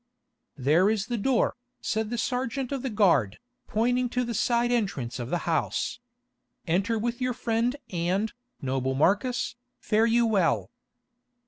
"There is the door," said the sergeant of the guard, pointing to the side entrance of the house. "Enter with your friend and, noble Marcus, fare you well."